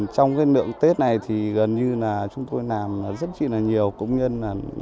trong lượng tết này chúng tôi làm rất nhiều công nhân